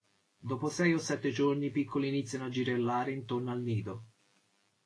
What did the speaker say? Dopo sei o sette giorni i piccoli iniziano a girellare intorno al nido.